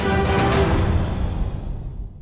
vâng xin cảm ơn